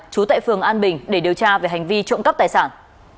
trú tại phường an bình để điều tra về hành vi trộm cắp tài sản